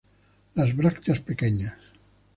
Las brácteas pequeñas.